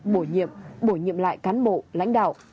bổ nhiệm bổ nhiệm lại cán bộ lãnh đạo